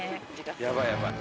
やばいやばい。